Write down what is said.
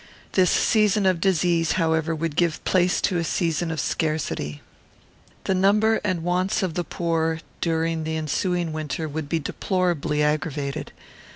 This season of disease, however, would give place to a season of scarcity. The number and wants of the poor, during the ensuing winter, would be deplorably aggravated.